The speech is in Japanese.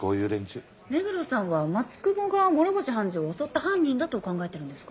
目黒さんは松久保が諸星判事を襲った犯人だと考えてるんですか？